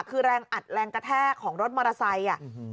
คือลงฤทธิ์อดทรงลงกระแทกของรถมอเตอร์ไซส์